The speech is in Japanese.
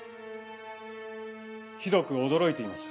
ひどく驚いています。